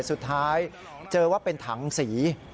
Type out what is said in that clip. สุดท้ายเจอว่าเป็นถังสี